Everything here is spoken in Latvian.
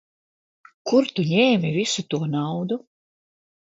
Kur tu ņēmi visu to naudu?